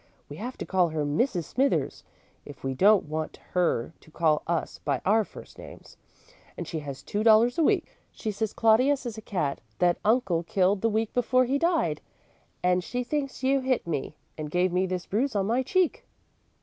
We have to call her 'Mrs. Smithers,' if we don't want her to call us by our first names, and she has two dollars a week. She says Claudius is a cat that uncle killed the week before he died, and she thinks you hit me and gave me this bruise on my cheek."